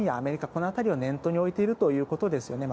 この辺りを念頭に置いているということですよね。